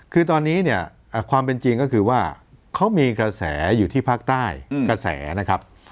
คือตอนนี้เนี่ยความเป็นจริงก็คือว่าเขามีกระแสอยู่ที่ภาคใต้กระแสนะครับ